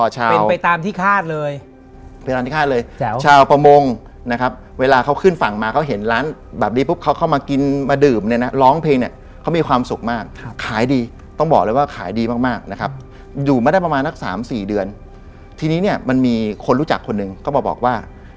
เจ้าที่อิสลามเยอะนะ